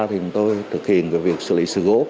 thì chúng tôi thực hiện việc xử lý sự cố